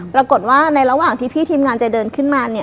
ปรากฏว่าในระหว่างที่พี่ทีมงานเจ๊เดินขึ้นมาเนี่ย